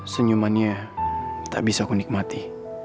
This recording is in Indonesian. senyumannya tak bisa aku nikmati